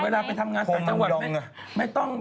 เวลาไปทำงานในจังหวัด